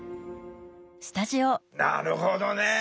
なるほどね。